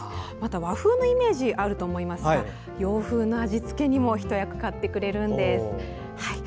和風のイメージあると思いますが洋風の味付けにも一役買ってくれるんです。